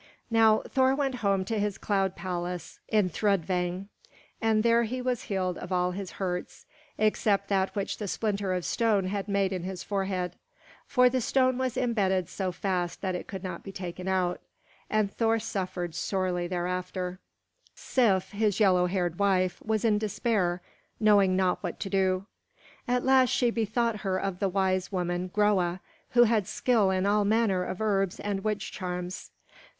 Now Thor went home to his cloud palace in Thrudvang. And there he was healed of all his hurts except that which the splinter of stone had made in his forehead. For the stone was imbedded so fast that it could not be taken out, and Thor suffered sorely therefor. Sif, his yellow haired wife, was in despair, knowing not what to do. At last she bethought her of the wise woman, Groa, who had skill in all manner of herbs and witch charms.